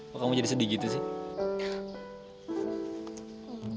kok kamu jadi sedih gitu sih